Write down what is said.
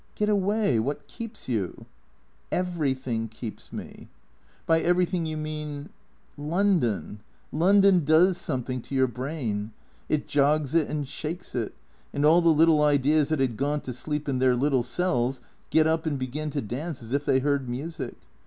" Get away. What keeps you ?"" Everything keeps me." " By everything you mean ?"" London. London does something to your brain. It jogs it and shakes it; and all the little ideas that had gone to sleep in their little cells get up and begin to dance as if they heard music.